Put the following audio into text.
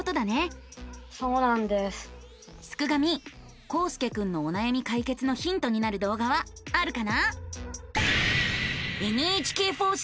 すくガミこうすけくんのおなやみ解決のヒントになる動画はあるかな？